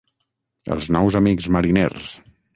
Els nous amics mariners.